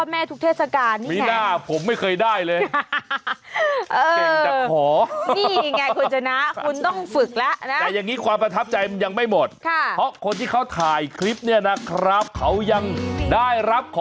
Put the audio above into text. มาหาพ่อแม่ทุกเทศกาลนี่ไง